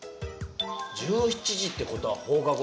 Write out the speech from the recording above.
１７時ってことは放課後。